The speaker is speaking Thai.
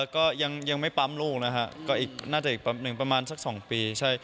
ก็ยังไม่ปั๊มลูกนะคะก็อีกน่าจะอีกปั๊มหนึ่งประมาณสักสองปีใช่